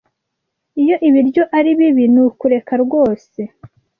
Iyo ibiryo ari bibi, ni ukureka rwose.